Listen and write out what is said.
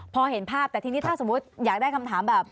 พอเห็นภาพแต่ทีนี้ถ้าสมมุติอยากได้คำถามแบบ